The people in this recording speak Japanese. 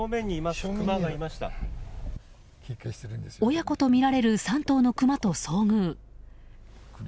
親子とみられる３頭のクマと遭遇。